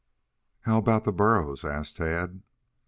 "How about the burros?" asked Tad.